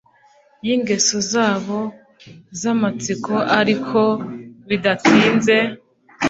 y'ingeso zabo z'amatsiko ariko bidatinze